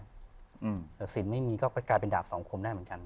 แต่สินไม่มีก็กลายเป็นดาบสองคมได้เหมือนกัน